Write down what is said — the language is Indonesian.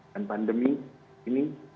dan pandemi ini